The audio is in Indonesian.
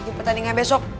untuk pertandingan besok